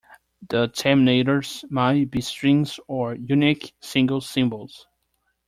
The terminators might be strings or unique single symbols.